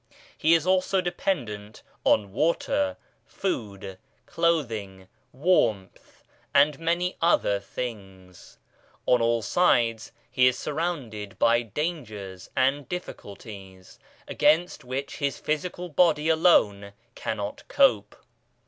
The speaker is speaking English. He is also dependent on water, food, clothing, warmth, and many other things. On all sides he is surrounded by dangers and difficulties, against which his physical body alone cannot cope.